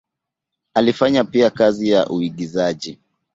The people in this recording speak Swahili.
Alifanya pia kazi ya uigizaji.